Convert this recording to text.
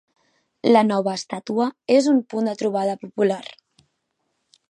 La nova estàtua és un punt de trobada popular.